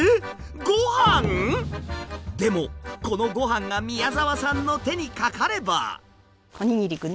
ごはん⁉でもこのごはんが宮澤さんの手にかかれば。